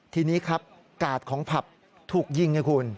ทีนี้กาดของผับถูกยิง